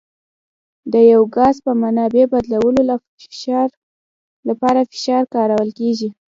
د یو ګاز په مایع بدلولو لپاره فشار کارول کیږي.